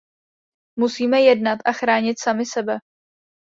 Musíme jednat a chránit sami sebe.